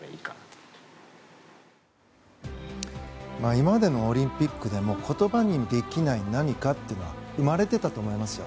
今までのオリンピックでも言葉にできない何かというのは生まれていたと思いますよ。